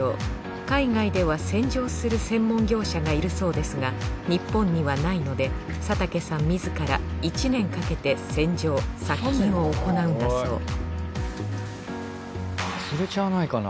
海外では洗浄する専門業者がいるそうですが日本にはないので佐竹さん自ら１年かけて洗浄・殺菌を行うんだそう忘れちゃわないかな。